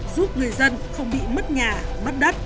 giúp người dân không bị mất nhà mất đất